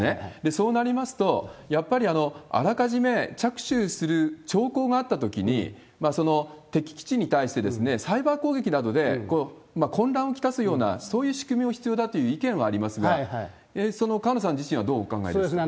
それでいいますと、やっぱりあらかじめ着手する兆候があったときに、その敵基地に対してサイバー攻撃などで、混乱をきたすような、そういう仕組みが必要だという意見はありますが、河野さん自身はどうお考えですか？